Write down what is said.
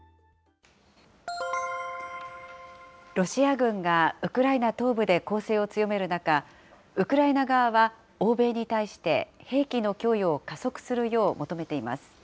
ロシア軍がウクライナ東部で攻勢を強める中、ウクライナ側は、欧米に対して、兵器の供与を加速するよう求めています。